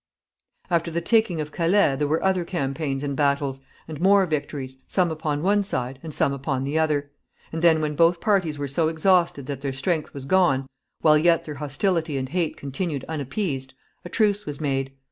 After the taking of Calais there were other campaigns and battles, and more victories, some upon one side and some upon the other; and then, when both parties were so exhausted that their strength was gone, while yet their hostility and hate continued unappeased, a truce was made.